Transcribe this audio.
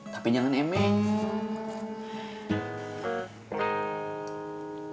tapi jangan emang